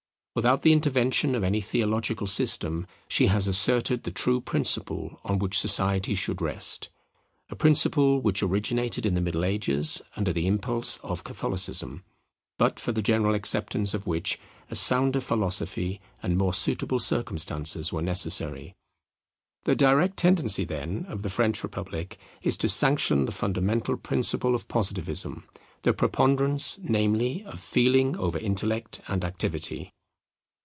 Without the intervention of any theological system, she has asserted the true principle on which society should rest, a principle which originated in the Middle Ages under the impulse of Catholicism; but for the general acceptance of which a sounder philosophy and more suitable circumstances were necessary. The direct tendency, then, of the French Republic is to sanction the fundamental principle of Positivism, the preponderance, namely, of Feeling over Intellect and Activity.